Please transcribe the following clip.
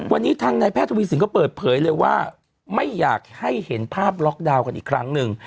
วันนี้ทางนายแพทย์ทวีสินก็เปิดเผยเลยว่าไม่อยากให้เห็นภาพล็อกดาวน์กันอีกครั้งหนึ่ง